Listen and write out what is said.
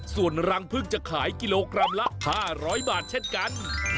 ส่วนรังพึ่งจะขายกิโลกรัมละ๕๐๐บาทเช่นกัน